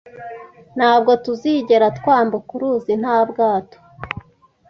Ntabwo tuzigera twambuka uruzi nta bwato